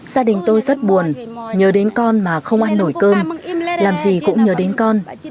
gia đình tôi rất buồn nhớ đến con mà không ăn nổi cơm làm gì cũng nhớ đến con